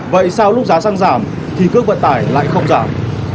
vậy sau lúc giá xăng giảm thì cước vận tải lại không giảm